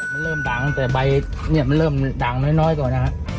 มันเริ่มด่างตั้งแต่ใบเนี่ยมันเริ่มด่างน้อยก่อนนะฮะ